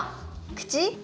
口？